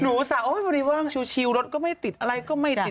หนูอาจจะบริว่างชิวรถก็ไม่ติดอะไรก็ไม่ติด